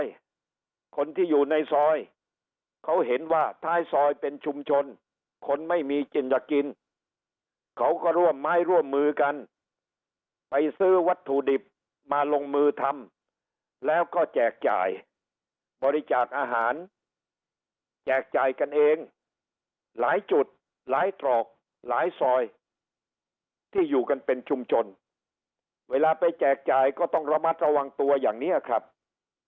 เยอะเลยในซอยบางซอยคนที่อยู่ในซอยเขาเห็นว่าท้ายซอยเป็นชุมชนคนไม่มีจินจะกินเขาก็ร่วมไม้ร่วมมือกันไปซื้อวัตถุดิบมาลงมือทำแล้วก็แจกจ่ายบริจาคอาหารแจกจ่ายกันเองหลายจุดหลายตรอกหลายซอยที่อยู่กันเป็นชุมชนเวลาไปแจกจ่ายก็ต้องระมัดระวังตัวอย่างนี้ครับในซอยบางซอยคนที่อยู่ในซอยเขาเห็นว่าท้ายซอย